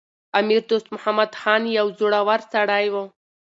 امیر دوست محمد خان یو زړور سړی و.